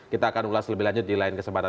kita akan ulas lebih lanjut di lain kesempatan